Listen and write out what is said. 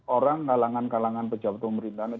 orang kalangan kalangan pejabat pemerintahan